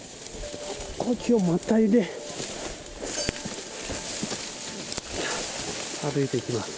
この木をまたいで歩いていきます。